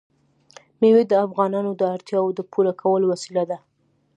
مېوې د افغانانو د اړتیاوو د پوره کولو وسیله ده.